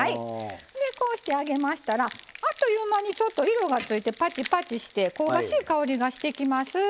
こうして揚げましたらあっという間に色がついてパチパチして香ばしい香りがしてきます。